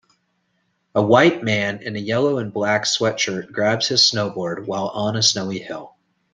A white man in a yellow and black sweatshirt grabs his snowboard while on a snowy hill.